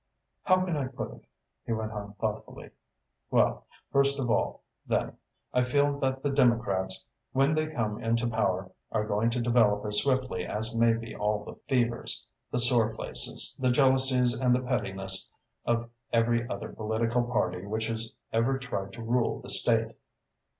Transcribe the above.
"How can I put it?" he went on thoughtfully. "Well, first of all, then, I feel that the Democrats, when they come into power, are going to develop as swiftly as may be all the fevers, the sore places, the jealousies and the pettiness of every other political party which has ever tried to rule the State.